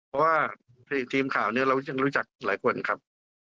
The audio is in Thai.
เพราะว่าทีมข่าวเนี่ยเรายังรู้จักหลายคนครับ